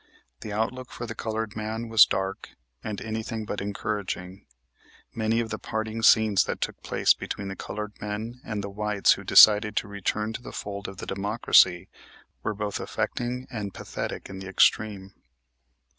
The outlook for the colored man was dark and anything but encouraging. Many of the parting scenes that took place between the colored men and the whites who decided to return to the fold of the Democracy were both affecting and pathetic in the extreme.